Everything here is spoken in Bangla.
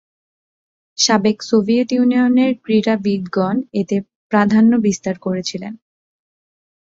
সাবেক সোভিয়েত ইউনিয়নের ক্রীড়াবিদগণ এতে প্রাধান্য বিস্তার করেছিলেন।